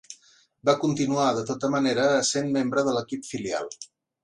Va continuar de tota manera essent membre de l'equip filial.